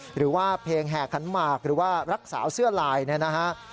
หรือว่าเพลงแห่ขันหมากหรือว่ารักษาเสื้อลายเนี่ยนะฮะ